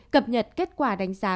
cập nhật kết quả đánh giá